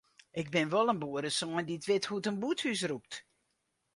Ik bin wol in boeresoan dy't wit hoe't in bûthús rûkt.